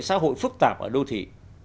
xã hội phức tạp ở đô thị